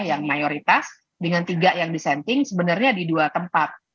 yang mayoritas dengan tiga yang disenting sebenarnya di dua tempat